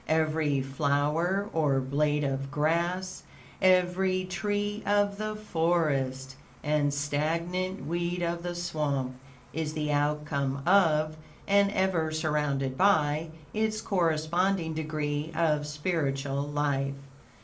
Every flower or blade of grass, every tree of the forest and stagnant weed of the swamp, is the outcome of, and ever surrounded by, its corresponding degree of spiritual life.